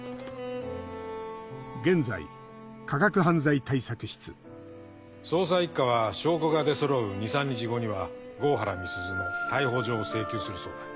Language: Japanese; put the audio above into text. よしキーボードを打つ音捜査一課は証拠が出そろう２３日後には郷原美鈴の逮捕状を請求するそうだ。